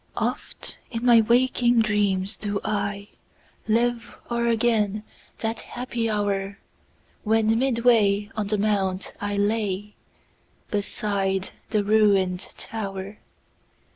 Oft in my waking dreams do ILive o'er again that happy hour, When midway on the mount I lay, Beside the ruin'd tower.